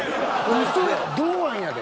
うそよ堂安やで。